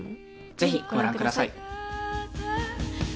ぜひご覧下さい。